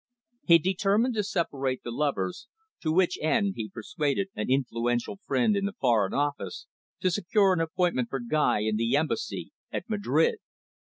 He determined to separate the lovers; to which end he persuaded an influential friend in the Foreign Office to secure an appointment for Guy in the Embassy at Madrid.